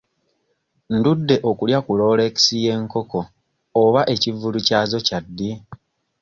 Ndudde okulya ku rolex y'enkoko oba ekivvulu kyazo kya ddi?